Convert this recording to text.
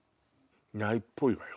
ないっぽいわよ。